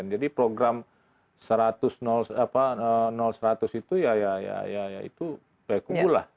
jadi program seratus itu ya ya ya ya ya itu paya kumbu lah